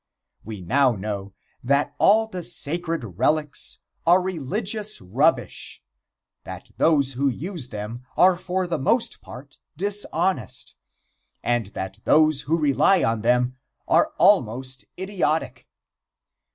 We now know that all the sacred relics are religious rubbish; that those who use them are for the most part dishonest, and that those who rely on them are almost idiotic.